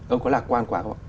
ông có lạc quan quá không ạ